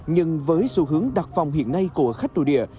nhưng với xu hướng đặt phòng hiện nay của khách nội địa